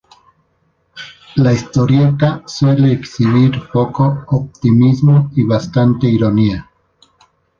La historieta suele exhibir poco optimismo y bastante ironía.